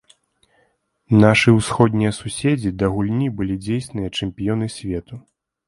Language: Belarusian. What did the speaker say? Нашы ўсходнія суседзі да гульні былі дзейсныя чэмпіёны свету.